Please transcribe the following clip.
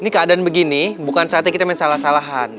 ini keadaan begini bukan saatnya kita main salah salahan